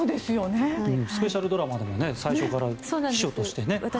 スペシャルドラマでも最初から秘書としてね。